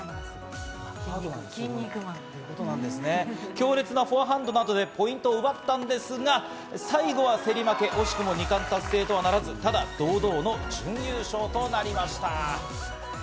強烈なフォアハンドなどでポイントを奪ったんですが最後は競り負け、惜しくも２冠達成とはならず、ただ堂々の準優勝となりました。